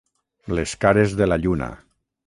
Les cares de la lluna.